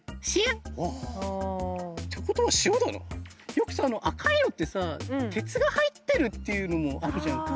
よくさあの赤いのってさあ鉄が入ってるっていうのもあるじゃんか。